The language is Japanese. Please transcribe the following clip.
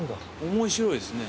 面白いですね。